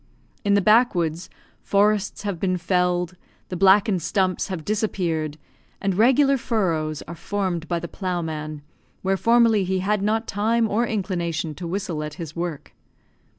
In the back woods, forests have been felled, the blackened stumps have disappeared, and regular furrows are formed by the ploughman, where formerly he had not time or inclination to whistle at his work.